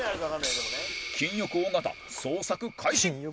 金欲・尾形捜索開始